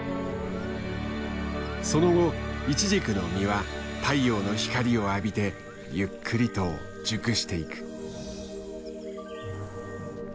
その後イチジクの実は太陽の光を浴びてゆっくりと熟していく。